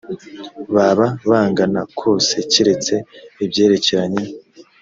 baba bangana kose keretse ibyerekeranye